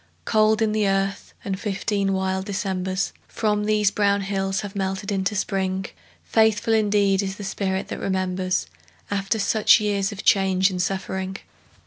Cold in the earth, and fifteen wild Decembers From these brown hills have melted into Spring. Faithful indeed is the spirit that remembers After such years of change and suffering!